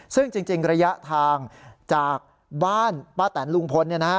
ซึ่งจริงระยะทางจากบ้านป้าแตนลุงพล